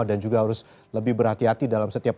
dan juga harus lebih berhati hati dalam setiap